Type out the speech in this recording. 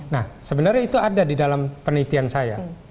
nah sebenarnya itu ada di dalam penelitian saya